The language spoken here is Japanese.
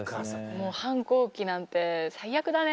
もう反抗期なんて最悪だね。